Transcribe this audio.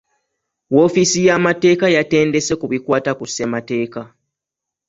Woofiisi y'amateeka yatendese ku bikwata ku ssemateeka.